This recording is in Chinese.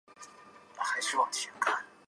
据雷提卡斯进行的。